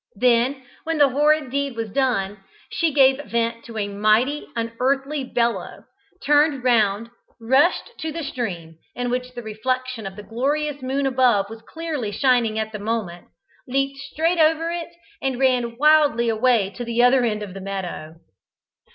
Then, when the horrid deed was done, she gave vent to a mighty, unearthly bellow, turned round, rushed to the stream, in which the reflection of the glorious moon above was clearly shining at the moment, leaped straight over it, and ran wildly away to the other end of the meadow.